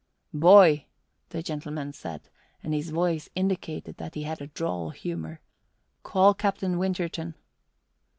"Boy," the gentleman said, and his voice indicated that he had a droll humour, "call Captain Winterton."